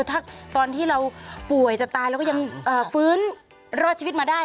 ถ้าตอนที่เราป่วยจะตายเราก็ยังฟื้นรอดชีวิตมาได้